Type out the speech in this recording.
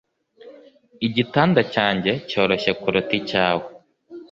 Igitanda cyanjye cyoroshye kuruta icyawe